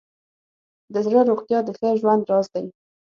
د زړه روغتیا د ښه ژوند راز دی.